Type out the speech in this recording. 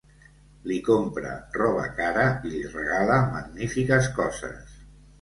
Li compra roba cara i li regala magnífiques coses.